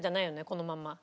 このまんま。